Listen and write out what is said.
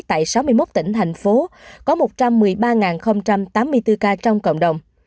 tại sáu mươi một tỉnh thành phố có một trăm một mươi ba tám mươi bốn ca trong cộng đồng